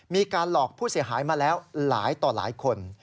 มีการหลอกผู้เสียหายมาแล้วหลายต่อหลายคน